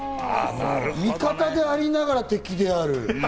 味方でありながら敵である。